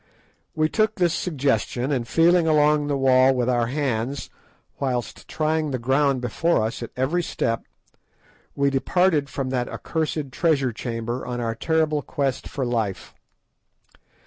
We took this suggestion, and feeling along the wall with our hands, whilst trying the ground before us at every step, we departed from that accursed treasure chamber on our terrible quest for life.